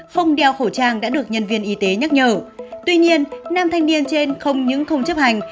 không đeo khẩu trang đã được nhân viên y tế nhắc nhở tuy nhiên nam thanh niên trên không những không chấp hành